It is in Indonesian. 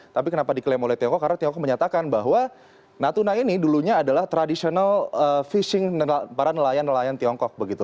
tapi kenapa diklaim oleh tiongkok karena tiongkok menyatakan bahwa natuna ini dulunya adalah tradisional fishing para nelayan nelayan tiongkok begitu